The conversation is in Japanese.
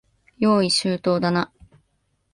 用意周到だな。